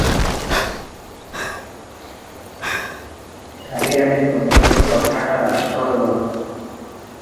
ଚାରିଆଡ଼େ ଦଣ୍ଡକେ କଥାଟା ରାଷ୍ଟ୍ର ହୋଇଗଲା ।